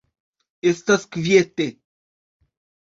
Estas kviete.